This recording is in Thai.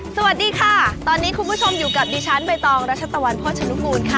สวัสดีค่ะตอนนี้คุณผู้ชมอยู่กับดิฉันใบตองรัชตะวันโภชนุกูลค่ะ